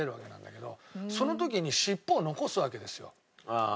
ああ。